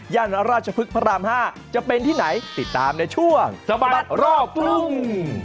ราชพฤกษพระราม๕จะเป็นที่ไหนติดตามในช่วงสะบัดรอบกรุง